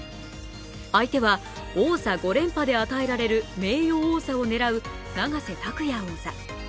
相手は王座５連覇で与えられる名誉王座を狙う永瀬拓矢王座。